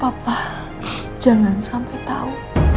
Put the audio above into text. papa jangan sampai tahu